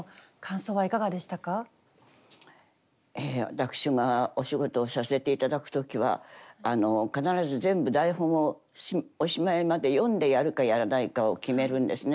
私がお仕事をさせていただく時は必ず全部台本をおしまいまで読んでやるかやらないかを決めるんですね。